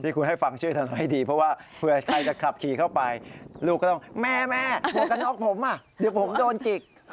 คุณให้ฟังชื่อท่านให้ดีเพราะว่าเผื่อใครจะขับขี่เข้าไปลูกก็ต้องแม่แม่หมวกกันน็อกผมอ่ะเดี๋ยวผมโดนจิก